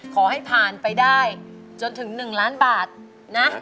ขอให้ผ่านไปได้จนถึง๑ล้านบาทนะ